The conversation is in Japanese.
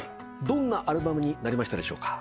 どんなアルバムになりましたでしょうか？